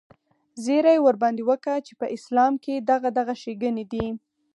زيرى ورباندې وکه چې په اسلام کښې دغه دغه ښېګڼې دي.